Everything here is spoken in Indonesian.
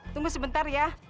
tunggu sebentar ya